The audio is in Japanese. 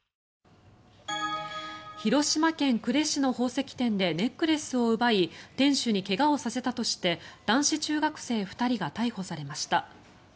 広島県呉市の宝石店でネックレスを奪い店主に怪我をさせたとして男子中学生２人が逮捕されました。